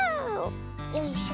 よいしょ。